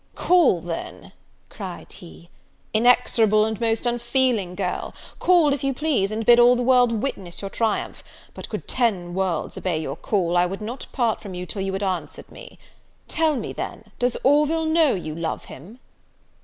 "Call then," cried he, "inexorable and most unfeeling girl; call, if you please, and bid all the world witness your triumph; but could ten worlds obey your call, I would not part from you till you had answered me. Tell me, then, does Orville know you love him?"